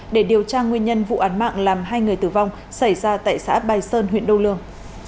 để điều tra nguyên nhân vụ án mạng làm hai người tử vong xảy ra tại xã bài sơn huyện đô lương